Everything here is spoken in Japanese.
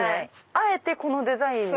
あえてこのデザインに。